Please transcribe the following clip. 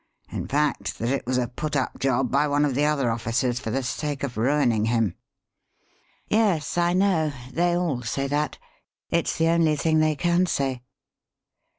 In fact, that it was a put up job by one of the other officers for the sake of ruining him." "Yes, I know they all say that. It's the only thing they can say."